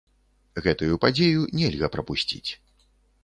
Гэтую падзею нельга прапусціць!